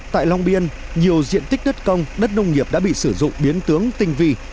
tại long biên nhiều diện tích đất công đất nông nghiệp đã bị sử dụng biến tướng tinh vi